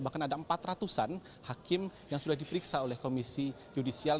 bahkan ada empat ratusan hakim yang melakukan penyelenggaran jabatan melanggar etika dan sebagainya